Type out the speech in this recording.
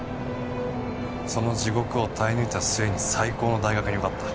その地獄を耐え抜いた末に最高の大学に受かった。